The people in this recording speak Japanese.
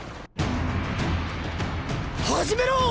始めろォ！！